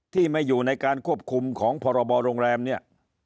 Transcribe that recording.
ที่ไม่อยู่ในการควบคุมของพรบโรงแรมเนี่ย